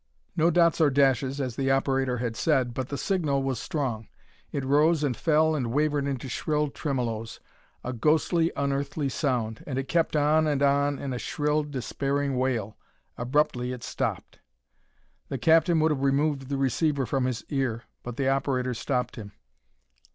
No dots or dashes, as the operator had said, but the signal was strong. It rose and fell and wavered into shrill tremolos, a ghostly, unearthly sound, and it kept on and on in a shrill despairing wail. Abruptly it stopped. The captain would have removed the receiver from his ear, but the operator stopped him.